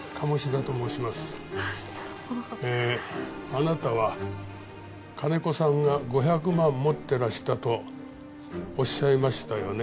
あなたは金子さんが５００万持ってらしたとおっしゃいましたよね？